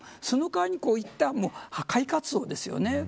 その代わりにこういった破壊活動ですよね。